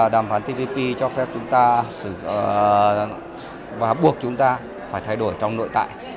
đàm phán tpp cho phép chúng ta và buộc chúng ta phải thay đổi trong nội tại